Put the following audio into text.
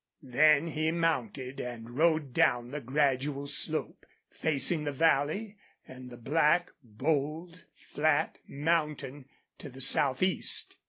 Then he mounted and rode down the gradual slope, facing the valley and the black, bold, flat mountain to the southeast.